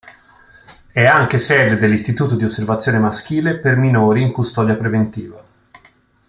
È anche sede dell'Istituto di osservazione maschile per minori in custodia preventiva.